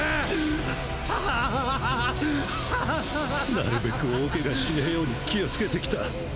なるべく大怪我しねぇように気を付けてきた。